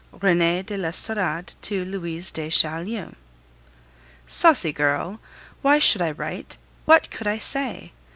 RENEE DE L'ESTORADE TO LOUISE DE CHAULIEU Saucy girl! Why should I write? What could I say?